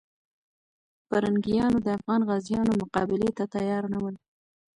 پرنګیانو د افغان غازیانو مقابلې ته تیار نه ول.